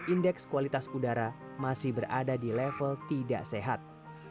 indeks kualitas udara masih berada di level tidak sehat